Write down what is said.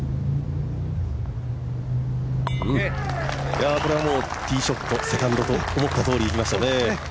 これはもうティーショット、セカンドと思ったとおりいきましたね。